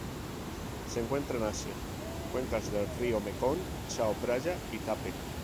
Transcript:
Se encuentran en Asia: cuencas de los ríos Mekong, Chao Phraya y Tape.